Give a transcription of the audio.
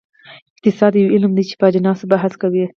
اقتصاد یو علم دی چې په اجناسو بحث کوي.